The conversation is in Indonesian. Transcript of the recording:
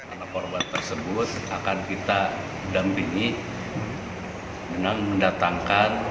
anak korban tersebut akan kita dampingi dengan mendatangkan